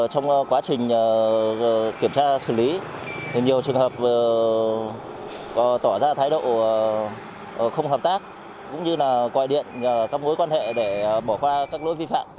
trong quá trình kiểm tra xử lý nhiều trường hợp tỏ ra thái độ không hợp tác cũng như là gọi điện các mối quan hệ để bỏ qua các lỗi vi phạm